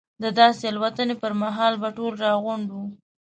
د داسې الوتنې پر مهال به ټول راغونډ وو.